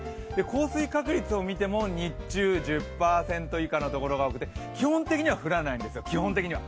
降水確率を見ても日中、１０％以下のところが多くて基本的には降らないんですよ、基本的には。